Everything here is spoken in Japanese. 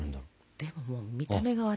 でももう見た目が私